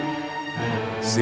apa yang dikatakan ramalan itu